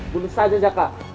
bunuh saja jakar